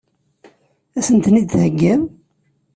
Ad sen-ten-id-theggiḍ?